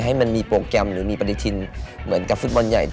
หรือมีปฏิทินเหมือนกับฟุตบอลใหญ่